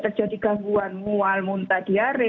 terjadi gangguan mual muntah diare